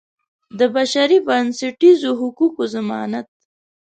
د بشري بنسټیزو حقوقو ضمانت.